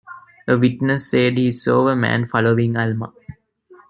A witness said he saw a man following Alma.